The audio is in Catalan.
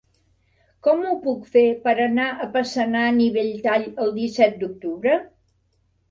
Com ho puc fer per anar a Passanant i Belltall el disset d'octubre?